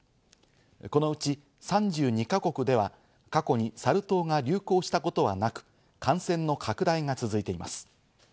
このうち３２か国では、過去にサル痘が流行したことはなく、感染の拡大が続いています。